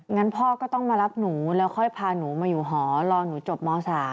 งั้นพ่อก็ต้องมารับหนูแล้วค่อยพาหนูมาอยู่หอรอหนูจบม๓